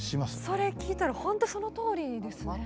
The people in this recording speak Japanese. それ聞いたらほんとそのとおりですね。